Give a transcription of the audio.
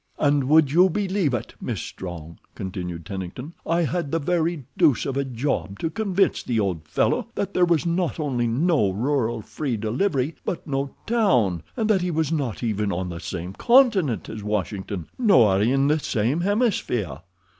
"And would you believe it, Miss Strong," continued Tennington, "I had the very deuce of a job to convince the old fellow that there was not only no rural free delivery, but no town, and that he was not even on the same continent as Washington, nor in the same hemisphere.